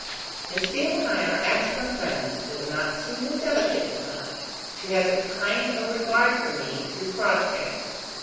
"Miss Dale and I are excellent friends. It would not seem indelicate to her. She has a kind of regard for me, through Crossjay.